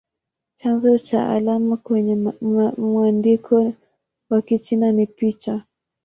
Chanzo cha alama kwenye mwandiko wa Kichina ni picha.